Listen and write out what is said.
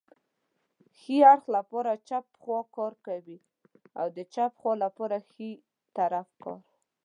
ښي اړخ لپاره چپه خواکار کوي او د چپې خوا لپاره ښی طرف کار